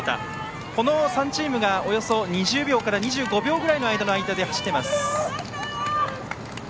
この３チームがおよそ２０秒から２５秒ぐらいの間で走っています。